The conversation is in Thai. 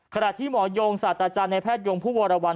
ขณะที่หมอยงศาสตราจารย์ในแพทยงผู้วรวรรณ